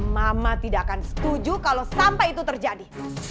mama tidak akan setuju kalau sampai itu terjadi